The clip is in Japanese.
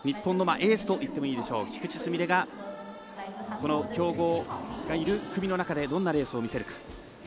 日本のエースといってもいいでしょう、菊池純礼がこの強豪がいる組の中でどんなレースを見せるか。